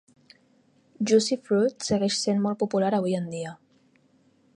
Juicy Fruit segueix sent molt popular avui en dia.